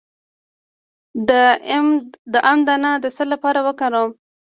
د ام دانه د څه لپاره وکاروم؟